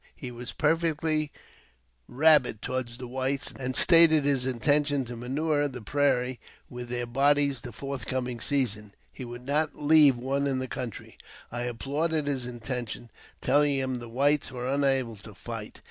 He was perfectly rabid toward the whites, and stated his intention to manure the prairie with their bodies the forthcoming season — he would not leave one in the country. I applauded his intention, telling him the whites were unable to fight.